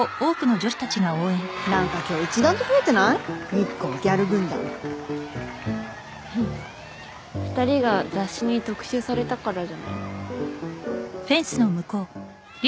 なんか今日一段と増えてな日光ギャル軍団ふふっ２人が雑誌に特集されたからじゃない？